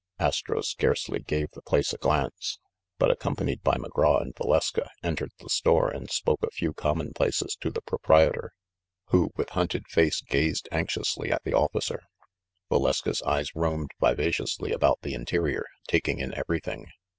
Astro scarcely gave the place a glance ; but, accom panied by McGraw and Valeska, entered the store and spoke a few commonplaces to the proprietor, who, with hunted face, gazed anxiously at the officer. Valeska's eyes roamed vivaciously about the interior, taking in everything.